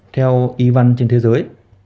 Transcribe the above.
theo y văn trên thế giới